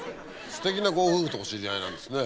すてきなご夫婦とお知り合いなんですね。